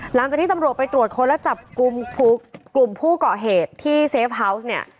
หลังจากที่ตำรวจไปตรวจคดแล้วจับกลุ่มพูกก่อเหตุที่เซฟฮาวส์เนี้ย